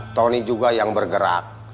tony juga yang bergerak